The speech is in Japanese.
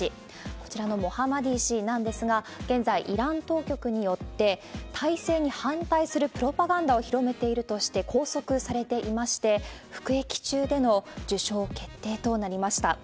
こちらのモハマディ氏なんですが、現在、イラン当局によって体制に反対するプロパガンダを広げているとして拘束されていまして、服役中での受賞決定となりました。